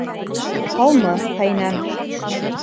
Һаумы, ҡәйнәм!